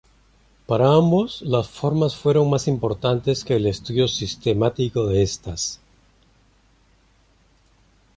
Para ambos, las formas fueron más importantes que el estudio sistemático de estas.